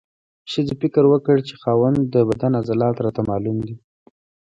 ښځې فکر وکړ چې د خاوند د بدن عضلات راته معلوم دي.